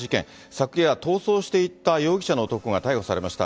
昨夜、逃走していた容疑者の男が逮捕されました。